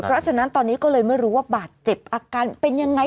เพราะฉะนั้นตอนนี้ก็เลยไม่รู้ว่าบาดเจ็บอาการเป็นยังไง